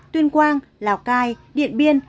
tuyên quang lào cai điện biên